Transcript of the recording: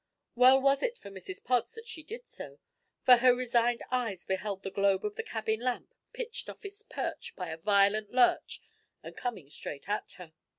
Well was it for Mrs Pods that she did so, for her resigned eyes beheld the globe of the cabin lamp pitched off its perch by a violent lurch and coming straight at her.